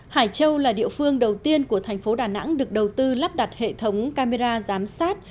hải châu là địa phương đầu tiên của thành phố đà nẵng được đầu tư lắp đặt hệ thống camera giám sát